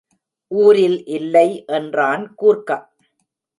ஊரில் இல்லை, என்றான் கூர்க்கா.